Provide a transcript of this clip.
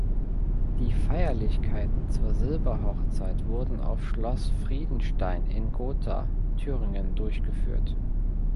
Die Feierlichkeiten zur Silberhochzeit wurden auf Schloss Friedenstein in Gotha (Thüringen) durchgeführt.